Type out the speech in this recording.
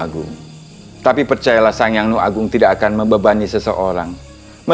jika kamu diliputi dengan kehadiranmu